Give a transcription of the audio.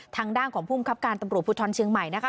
ทางด้านของภูมิคับการตำรวจภูทรเชียงใหม่นะคะ